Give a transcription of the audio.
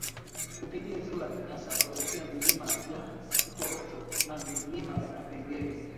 kupitia Ziwa Nyasa kuelekea milima ya Uporoto na milima ya Kipengere